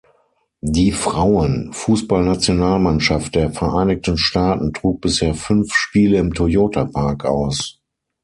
Die Frauen-Fußballnationalmannschaft der Vereinigten Staaten trug bisher fünf Spiele im Toyota Park aus.